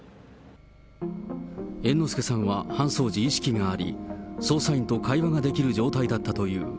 猿之助さんは搬送時、意識があり、捜査員と会話ができる状態だったという。